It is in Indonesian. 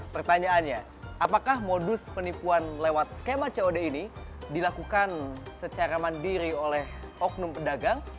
pertanyaannya apakah modus penipuan lewat skema cod ini dilakukan secara mandiri oleh oknum pedagang